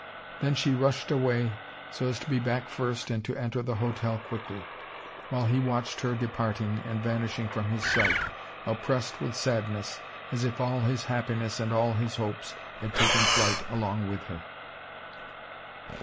Then she rushed away so as to be back first and to enter the hotel quickly, while he watched her departing and vanishing from his sight, oppressed with sadness, as if all his happiness and all his hopes had taken flight along with her.